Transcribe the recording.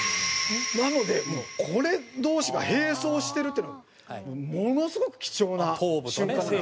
なのでもうこれ同士が並走してるっていうのはものすごく貴重な瞬間。